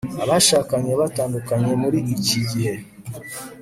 abashakanye batandukana muri iki gihe